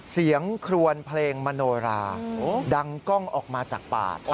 นครวนเพลงมโนราดังกล้องออกมาจากปาก